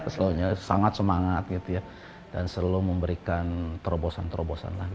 selalu sangat semangat dan selalu memberikan terobosan terobosan